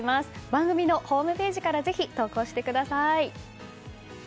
番組のホームページからぜひ投稿してください。